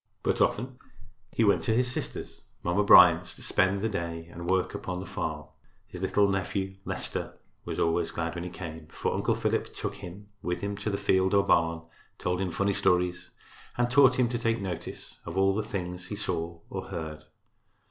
But, often he went to his sister's, Mamma Bryant's, to spend the day and work upon the farm. His little nephew, Leicester, was always glad when he came, for Uncle Philip took him with him to the field or barn, told him funny stories and taught him to take notice of all the things he saw or heard.